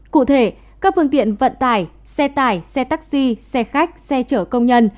cụ thể các phương tiện vận tải xe tải xe taxi xe khách xe chở công nhân